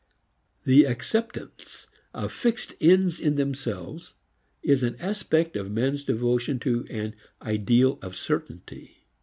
The acceptance of fixed ends in themselves is an aspect of man's devotion to an ideal of certainty.